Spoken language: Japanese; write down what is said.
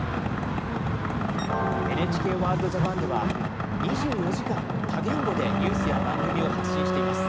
「ＮＨＫワールドＪＡＰＡＮ」では２４時間多言語でニュースや番組を発信しています。